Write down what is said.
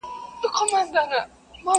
نورې خبري وکړي خو ذهن نه پرېږدي.